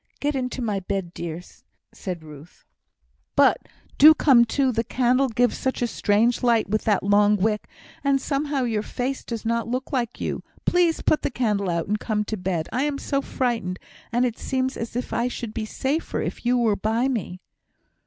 "Get into my bed, dear!" said Ruth. "But do come too! The candle gives such a strange light with that long wick, and, somehow, your face does not look like you. Please, put the candle out, and come to bed. I am so frightened, and it seems as if I should be safer if you were by me."